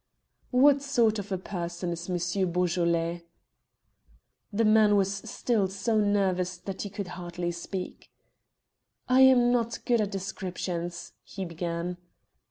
"What sort of a person is Monsieur Beaujolais?" The man was still so nervous that he could hardly speak. "I am not good at descriptions," he began.